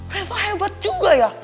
reva hebat juga ya